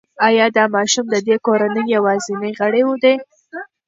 ایا دا ماشوم د دې کورنۍ یوازینی غړی دی؟